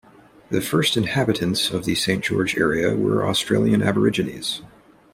The first inhabitants of the Saint George area were Australian Aborigines.